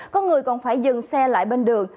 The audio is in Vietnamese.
có người còn phải dừng xe lại bên đường